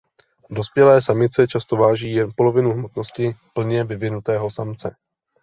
Dospělé samice často váží jen polovinu hmotnosti plně vyvinutého samce.